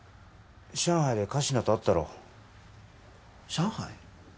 上海で神志名と会ったろ上海？